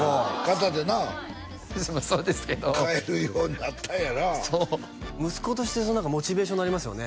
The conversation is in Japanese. そうですけど買えるようになったんやなそう息子としてモチベーションになりますよね